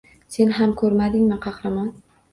Sen ham ko‘rmadingmi, Qahramon?